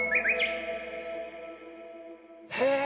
へえ。